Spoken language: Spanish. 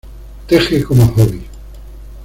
Teje como hobby.